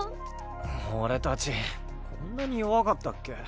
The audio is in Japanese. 俺たちこんなに弱かったっけ。